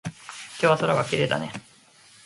今日は空がきれいだね。